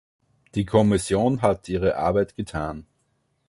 Die Kommission hat ihre Arbeit getan.